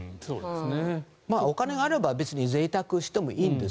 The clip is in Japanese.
お金があれば別にぜいたくしてもいいんです。